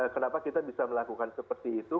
kenapa kita bisa melakukan seperti itu